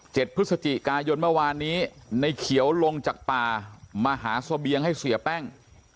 พฤศจิกายนเมื่อวานนี้ในเขียวลงจากป่ามาหาเสบียงให้เสียแป้ง